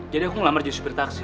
jadi aku ngelamar jadi supir taksi